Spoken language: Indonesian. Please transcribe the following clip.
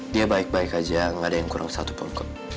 dia baik baik aja nggak ada yang kurang satu pun